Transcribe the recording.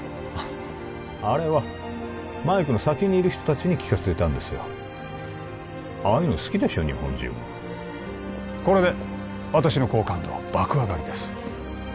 あれはマイクの先にいる人たちに聞かせていたんですよああいうの好きでしょ日本人はこれで私の好感度は爆上がりです